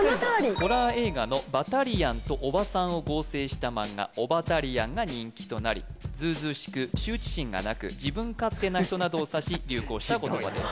ホラー映画の「バタリアン」と「オバサン」を合成した漫画「オバタリアン」が人気となりずうずうしく羞恥心がなく自分勝手な人などをさし流行した言葉です